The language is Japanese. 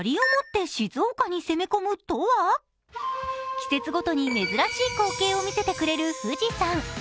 季節ごとに珍しい光景を見せてくれる富士山。